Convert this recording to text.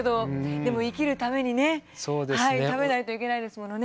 でも生きるためにね食べないといけないですものね。